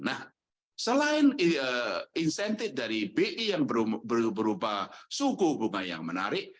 nah selain insentif dari bi yang berupa suku bunga yang menarik